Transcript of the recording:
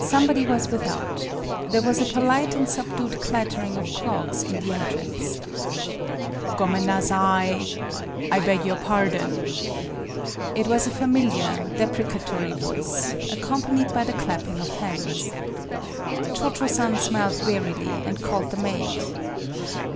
Somebody was without. There was a polite and subdued clattering of clogs in the entrance. 3 o MADAME BUTTERFLY " Gomen nasai "(" I beg your pardon "). It was a familiar, deprecatory voice, ac companied by the clapping of hands. Cho Cho San smiled wearily, and called the maid.